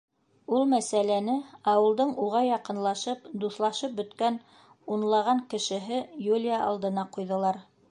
Ул мәсьәләне ауылдың уға яҡынлашып, дуҫлашып бөткән унлаған кешеһе Юлия алдына ҡуйҙылар.